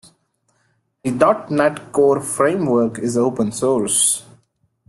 The dot net core framework is open source.